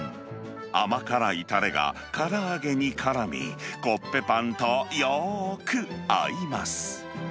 甘辛いたれがから揚げにからみ、コッペパンとよーく合います。